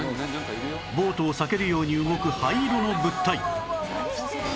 ボートを避けるように動く灰色の物体